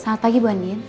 selamat pagi bu andi